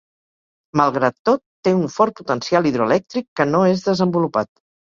Malgrat tot, té un fort potencial hidroelèctric que no és desenvolupat.